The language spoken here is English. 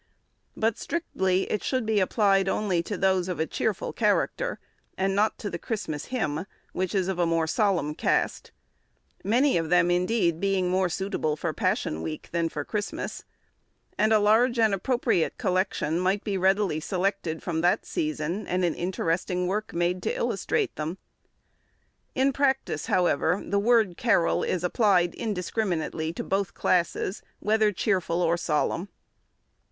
But strictly, it should be applied only to those of a cheerful character, and not to the Christmas hymn, which is of a more solemn cast; many of them, indeed, being more suitable for Passion Week than for Christmas; and a large and appropriate collection might be readily selected for that season, and an interesting work made to illustrate them. In practice, however, the word carol is applied indiscriminately to both classes, whether cheerful or solemn.